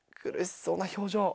苦しそうな表情。